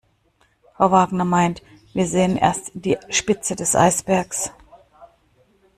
Frau Wagner meint, wir sehen erst die Spitze des Eisbergs.